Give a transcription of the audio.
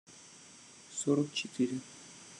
Сорок четыре.